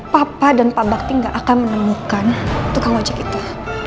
papa dan pak bakti gak akan menemukan tukang ojek itu